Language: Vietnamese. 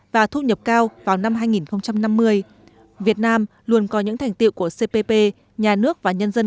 và thu nhập cao vào năm hai nghìn năm mươi việt nam luôn có những thành tiệu của cpp nhà nước và nhân dân